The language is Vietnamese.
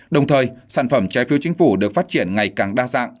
đồng thời sản phẩm trái phiếu chính phủ được phát triển ngày càng đa dạng